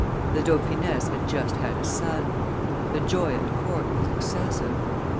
The dauphiness had just had a son. The joy at court was excessive.